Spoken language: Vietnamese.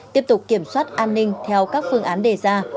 tiếp tục kiểm soát an ninh theo các phương án đề ra